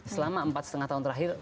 selama empat lima tahun terakhir